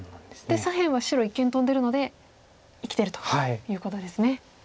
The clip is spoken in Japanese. で左辺は白一間トンでるので生きてるということですね。